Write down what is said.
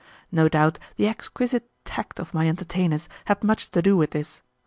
No doubt the exquisite tact of my entertainers had much to do with this.